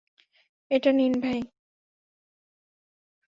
এটা নিন, ভাই।